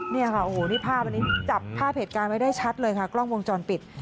นี่ค่ะโอ้โหนี่ภาพอันนี้จับภาพเหตุการณ์ไว้ได้ชัดเลยค่ะกล้องวงจรปิด